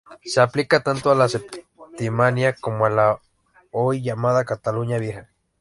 Se aplicaba tanto a la Septimania como a la hoy llamada Cataluña Vieja.